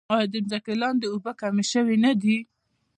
آیا د ځمکې لاندې اوبه کمې شوې نه دي؟